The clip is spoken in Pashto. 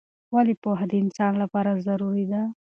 ولې پوهه د انسان لپاره ضروری ده؟